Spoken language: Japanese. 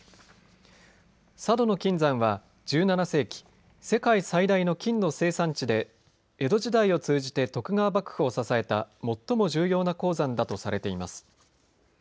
佐渡島の金山は１７世紀、世界最大の金の生産地で江戸時代を通じて徳川幕府を支えた最も重要な鉱山だとされています。